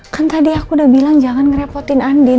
kan tadi aku udah bilang jangan ngerepotin andin